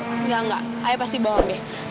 enggak enggak ayah pasti bohong deh